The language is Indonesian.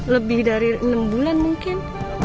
lebih dari enam bulan mungkin